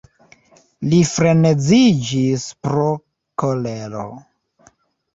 Li freneziĝis pro kolero.